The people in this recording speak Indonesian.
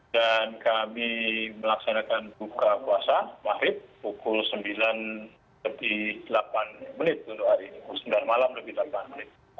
dan kami melaksanakan buka puasa mahrib pukul sembilan delapan menit untuk hari ini sembilan malam lebih delapan menit